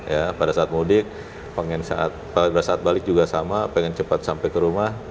ya pada saat mudik pengen pada saat balik juga sama pengen cepat sampai ke rumah